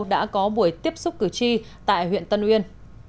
đã có buổi tiếp xúc cử tri tại huyện tân uyên